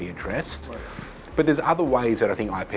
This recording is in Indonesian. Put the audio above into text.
kalau anda mengambil data dalam perjalanan digital